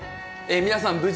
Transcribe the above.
皆さん